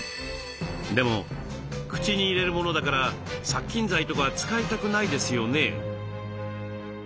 でも口に入れるものだから殺菌剤とかは使いたくないですよね。